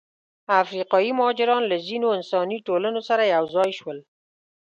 افریقایي مهاجران له ځینو انساني ټولنو سره یوځای شول.